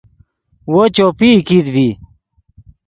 وو چوپئی کیت ڤی